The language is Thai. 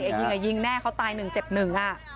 ไอ้ยิงไอ้ยิงแน่เขาตาย๑เจ็บ๑อะ